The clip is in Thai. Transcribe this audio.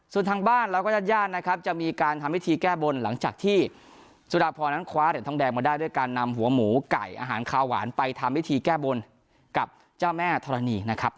ส่วนทางบ้านแล้วก็ญาติญาตินะครับจะมีการทำพิธีแก้บนหลังจากที่สุดาพรนั้นคว้าเหรียญทองแดงมาได้ด้วยการนำหัวหมูไก่อาหารคาวหวานไปทำพิธีแก้บนกับเจ้าแม่ธรณีนะครับ